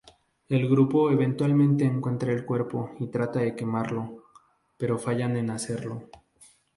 El grupo eventualmente encuentra el cuerpo y trata de quemarlo, pero fallan en hacerlo.